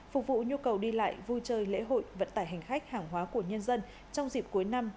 phục vụ nhu cầu đi lại vui chơi lễ hội vận tải hành khách hàng hóa của nhân dân trong dịp cuối năm